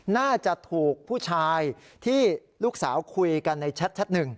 น่าจะถูกผู้ชายที่ลูกสาวคุยกันในแชทหนึ่ง